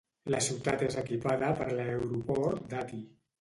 La ciutat és equipada per l'aeroport d'Ati.